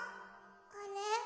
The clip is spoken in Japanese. あれ？